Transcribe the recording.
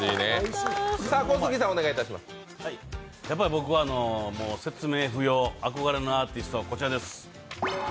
僕は説明不要、憧れのアーティスト、こちらです。